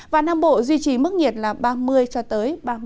và nam bộ duy trì mức nhiệt là ba mươi ba mươi hai độ